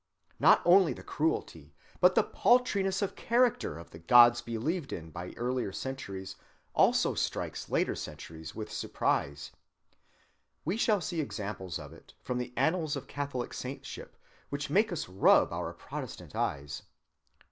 Not only the cruelty, but the paltriness of character of the gods believed in by earlier centuries also strikes later centuries with surprise. We shall see examples of it from the annals of Catholic saintship which make us rub our Protestant eyes.